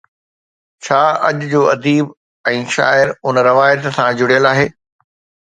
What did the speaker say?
ڇا اڄ جو اديب ۽ شاعر ان روايت سان جڙيل آهي؟